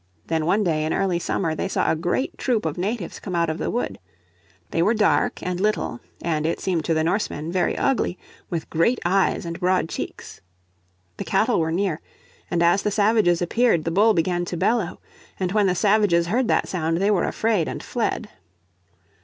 Then one day in early summer they saw a great troop of natives come out of the wood. They were dark and little, and it seemed to the Norsemen very ugly, with great eyes and broad cheeks. The cattle were near, and as the savages appeared the bull began to bellow. And when the savages heard that sound they were afraid and fled.